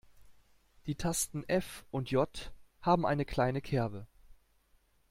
Die Tasten F und J haben eine kleine Kerbe.